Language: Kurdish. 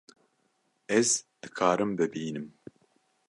Ez dikarim bibînim